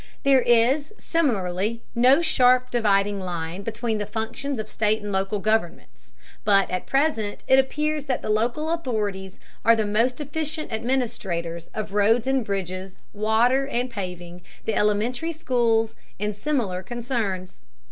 There is, similarly, no sharp dividing line between the functions of state and local governments, but at present it appears that the local authorities are the most efficient administrators of roads and bridges, water and paving, the elementary schools, and similar concerns.